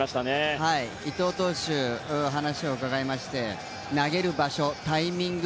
伊藤投手、話を伺いまして投げる場所、タイミング